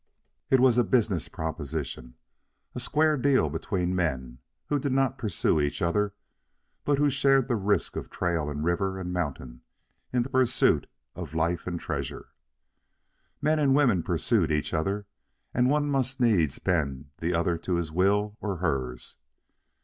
It was a business proposition, a square deal between men who did not pursue each other, but who shared the risks of trail and river and mountain in the pursuit of life and treasure. Men and women pursued each other, and one must needs bend the other to his will or hers.